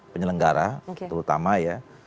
penyelenggara terutama ya